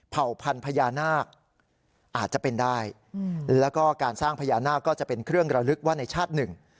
พันธุ์พญานาคอาจจะเป็นได้แล้วก็การสร้างพญานาคก็จะเป็นเครื่องระลึกว่าในชาติหนึ่ง